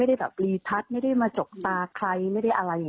ได้แบบรีทัศน์ไม่ได้มาจกตาใครไม่ได้อะไร